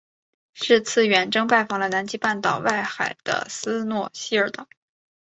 是次远征拜访了南极半岛外海的斯诺希尔岛。